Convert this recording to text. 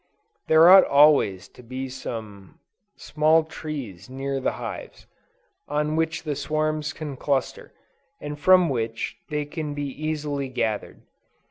There ought always to be some small trees near the hives, on which the swarms can cluster, and from which they can be easily gathered.